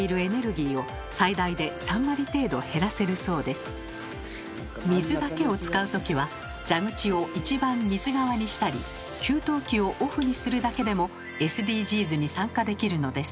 水だけを使えば今水だけを使うときは蛇口を一番水側にしたり給湯器をオフにするだけでもＳＤＧｓに参加できるのです。